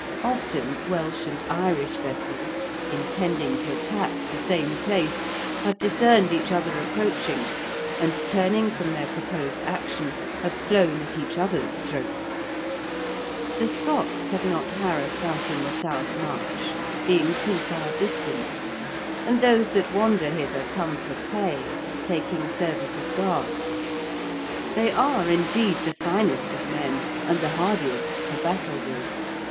Often Welsh and Irish vessels, intending to attack the same place, have discerned each other approaching, and, turning from their proposed action, have flown at each other's throats. The Scots have not harassed us in the south much, being too far distant, and those that wander hither come for pay, taking service as guards. They are, indeed, the finest of men, and the hardiest to battle with.